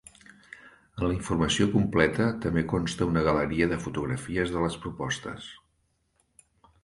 En la informació completa també consta una galeria de fotografies de les propostes.